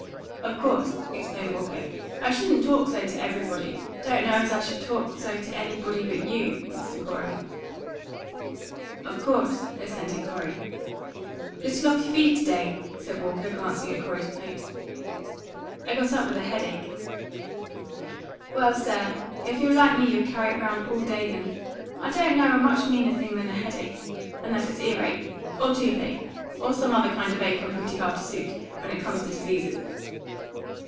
Of course," explained Walker, "I shouldn't talk so to everybody; don't know as I should talk so to anybody but you, Mr. Corey." "Of course," assented Corey. "Little off your feed to day," said Walker, glancing at Corey's plate. "I got up with a headache." "Well, sir, if you're like me you'll carry it round all day, then. I don't know a much meaner thing than a headache unless it's earache, or toothache, or some other kind of ache I'm pretty hard to suit, when it comes to diseases.